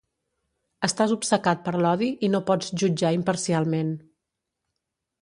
Estàs obcecat per l'odi i no pots jutjar imparcialment.